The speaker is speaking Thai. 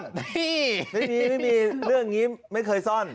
ไม่มีไม่มีเรื่องนี้ไม่เคยซ่อน